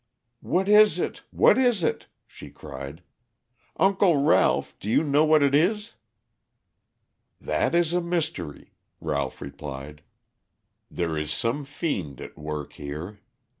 "What is it, what is it?" she cried. "Uncle Ralph, do you know what it is?" "That is a mystery," Ralph replied. "There is some fiend at work here.